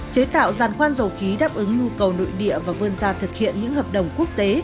chế tạo giàn khoan dầu khí đáp ứng nhu cầu nội địa và vươn ra thực hiện những hợp đồng quốc tế